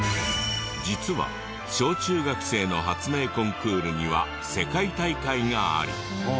実は小中学生の発明コンクールには世界大会があり。